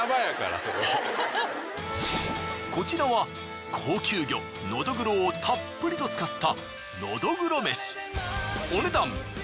こちらは高級魚のどぐろをたっぷりと使った。